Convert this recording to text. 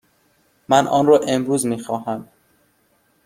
من آن را امروز می خواهم.